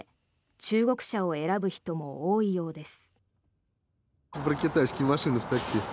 中国車を選ぶ人も多いようです。